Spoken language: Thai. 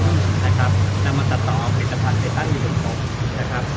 นะครับนำมาตัดต่อออกเศรษฐภัณฑ์ในฝุ่มโปรดนะครับ